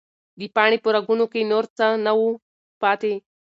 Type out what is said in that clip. د پاڼې په رګونو کې نور څه نه وو پاتې.